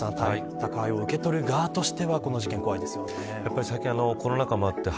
宅配を受け取る側としてはこの事件、怖いですよね。